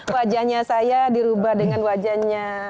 wajahnya saya dirubah dengan wajahnya